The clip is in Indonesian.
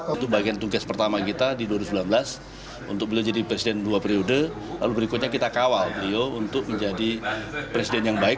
itu bagian tugas pertama kita di dua ribu sembilan belas untuk beliau jadi presiden dua periode lalu berikutnya kita kawal beliau untuk menjadi presiden yang baik